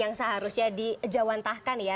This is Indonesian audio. yang seharusnya dijauhantahkan ya